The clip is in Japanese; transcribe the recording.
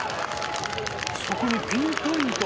そこにピンポイント。